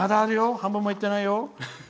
半分もいってないよ。